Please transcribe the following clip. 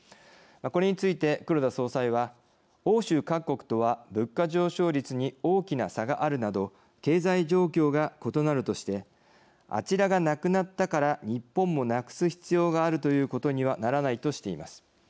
これについて黒田総裁は欧州各国とは物価上昇率に大きな差があるなど経済状況が異なるとして「あちらがなくなったから日本もなくす必要があるということにはならない」としています。